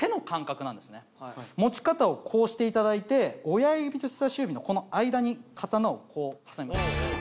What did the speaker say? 持ち方をこうしていただいて親指と人さし指の間に刀を挟みます。